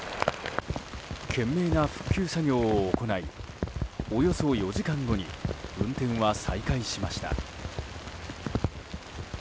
懸命な復旧作業を行いおよそ４時間後に運転は再開しました。